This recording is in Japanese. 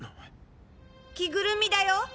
着ぐるみだよ。